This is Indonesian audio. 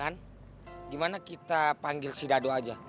gimana kita panggil si dado aja